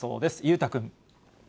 裕太君。